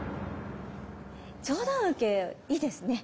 上段受けいいですね。